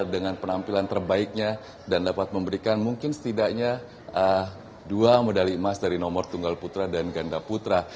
dengan penampilan terbaiknya dan dapat memberikan mungkin setidaknya dua medali emas dari nomor tunggal putra dan ganda putra